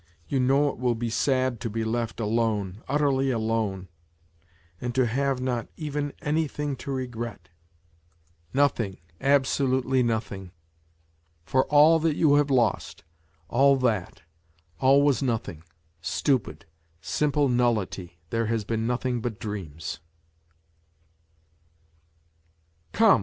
you know it will be sad to be left WHITE NIGHTS 23 alone, utterly alone, and to have not even anything to regret nothing, absolutely nothing ... for all that you have lost, all that, all was nothing, stupid, simple nullity, there has been nothing but dreams